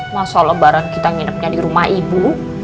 masa lebaran kita nginepnya di rumah ibu